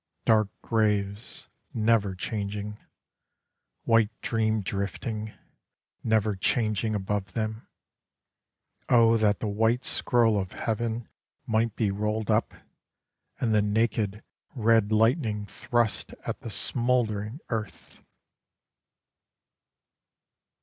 Dark graves never changing, White dream drifting, never changing above them: O that the white scroll of heaven might be rolled up, And the naked red lightning thrust at the smouldering earth!